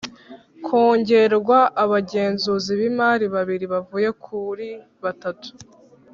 kongerwa Abagenzuzi b imari babiri bavuye kuri batatu